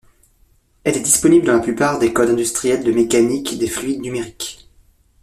Elle est disponible dans la plupart des codes industriels de mécanique des fluides numérique.